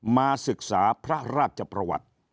มาศึกษาพระราชประวัติ